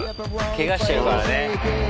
けがしてるからね。